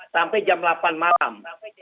sampai jam delapan malam